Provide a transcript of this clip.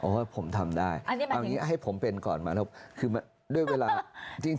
ว่าผมทำได้เอางี้ให้ผมเป็นก่อนมาแล้วคือด้วยเวลาจริง